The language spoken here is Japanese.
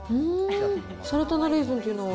サルタナレーズンっていうのは？